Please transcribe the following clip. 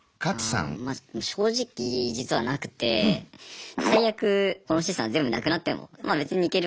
まあ正直実はなくて最悪この資産全部なくなってもまあ別にいけるかなみたいな。